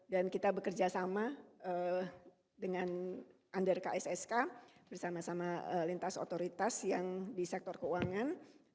dan kita bekerja sama dengan under kssk bersama sama lintas otoritas yang di sektor keuangan